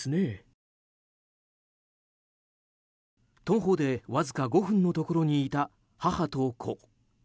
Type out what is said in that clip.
徒歩でわずか５分のところにいた母と子。